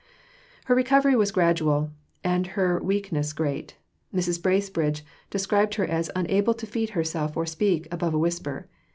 Her recovery was gradual, and her weakness great. Mrs. Bracebridge described her as unable to feed herself or speak above a whisper.